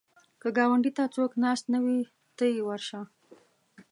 که ګاونډي ته څوک ناست نه وي، ته یې ورشه